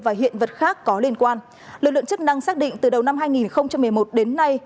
và hiện vật khác có liên quan lực lượng chức năng xác định từ đầu năm hai nghìn một mươi một đến nay